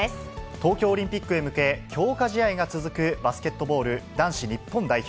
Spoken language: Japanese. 東京オリンピックへ向け、強化試合が続くバスケットボール男子日本代表。